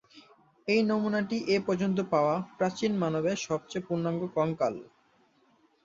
এই নমুনাটি এ পর্যন্ত পাওয়া প্রাচীন মানবের সবচেয়ে পূর্ণাঙ্গ কঙ্কাল।